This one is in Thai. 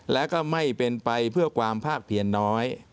และก็ไม่เป็นไปเพื่อความภาคเพียรน้อย